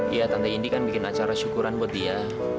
iya tante indi kan bikin acara syukuran buat dia